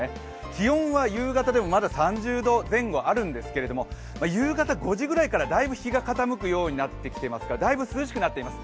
気温が夕方でもまだ３０度前後あるんですけれど夕方５時ぐらいからだいぶ日が傾くようになってきてますからだいぶ涼しくなっています。